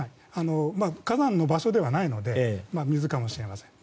火山の場所ではないので水かもしれません。